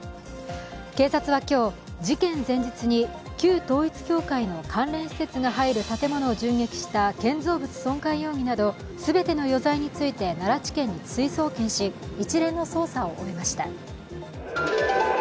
警察は今日、事件前日に旧統一教会の関連施設が入る建物を銃撃した建造物損壊容疑など全ての余罪について奈良地検に追送検し一連の捜査を終えました。